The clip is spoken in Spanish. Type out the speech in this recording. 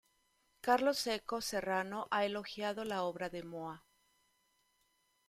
Carlos Seco Serrano ha elogiado la obra de Moa.